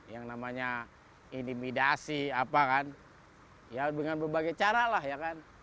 yang namanya intimidasi apa kan ya dengan berbagai cara lah ya kan